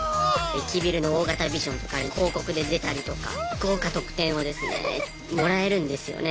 駅ビルの大型ビジョンとかに広告で出たりとか豪華特典をですねもらえるんですよね。